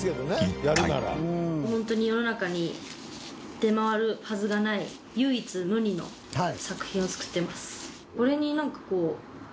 ホントに世の中に出回るはずがない唯一無二の作品を作ってます。